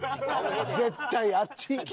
絶対あっち行け！